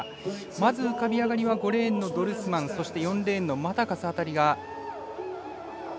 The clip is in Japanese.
まず浮かび上がりは５レーンのドルスマンそして４レーンのマタカスあたりが速かったんですが